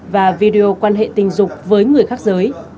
và video quan hệ tình dục với người khác giới